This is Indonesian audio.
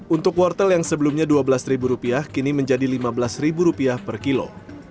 untuk wortel yang sebelumnya dua belas ribu rupiah kini menjadi lima belas ribu rupiah per kilo